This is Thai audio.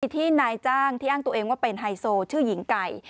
ที่นายจ้างที่อ้างตัวเองว่าเป็นไฮโซชื่อหญิงไก่